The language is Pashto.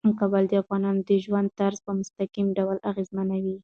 کابل د افغانانو د ژوند طرز په مستقیم ډول اغېزمنوي.